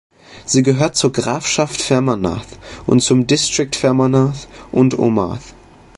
Sie gehört zur Grafschaft Fermanagh und zum District Fermanagh and Omagh.